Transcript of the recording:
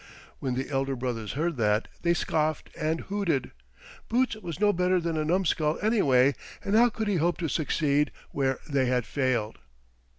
When the elder brothers heard that they scoffed and hooted. Boots was no better than a numskull anyway, and how could he hope to succeed where they had failed.